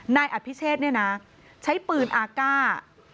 นายอภิเชษใช้ปืนอากาศ